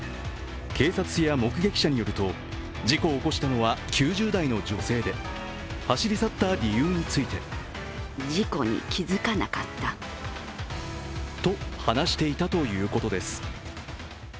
警察や目撃者によると事故を起こしたのは９０代の女性で走り去った理由についてと話していたということです。